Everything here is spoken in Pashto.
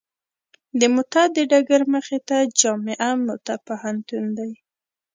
د موته د ډګر مخې ته جامعه موته پوهنتون دی.